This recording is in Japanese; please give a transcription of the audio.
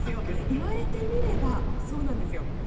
言われてみればそうなんですよ。